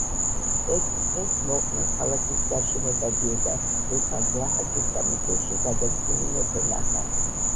ერთ დღეს მოყმე ქალაქის გარშემო დადიოდა, როცა გლახაკის სამოსელში გადაცმული მეფე ნახა.